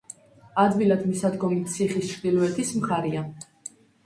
ადვილად მისადგომი ციხის ჩრდილოეთის მხარეა.